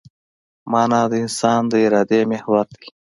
مانا د انسان د ارادې محور دی.